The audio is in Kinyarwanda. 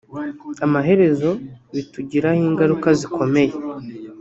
amaherezo bitugiraho ingaruka zikomeye